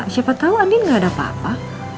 siapa tau andin gak ada apa apa